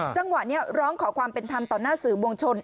จังหวะนี้ร้องขอความเป็นธรรมต่อหน้าสื่อมวลชน